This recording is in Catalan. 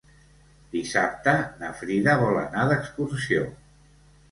Dissabte na Frida vol anar d'excursió.